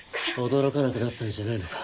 驚かなくなったんじゃないのか？